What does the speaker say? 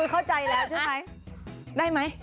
คุณเข้าใจแล้วใช่ไหม